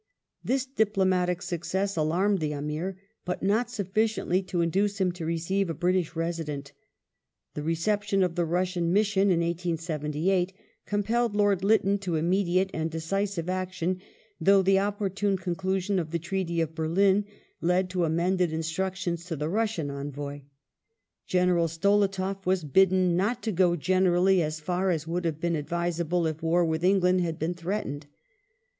This diplomatic success alarmed the Amir, but not suffici ently to induce him to receive a British Resident. The reception of the Russian mission in 1878 compelled Lord Lytton to immediate and decisive action, though the opportune conclusion of the Treaty of Berlin led to amended instructions to the Russian envoy. General Stolietoff" was bidden " not to go generally as far as would have been advisable if war with England had been threatened